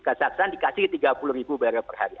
kejaksaan dikasih tiga puluh ribu barrel per hari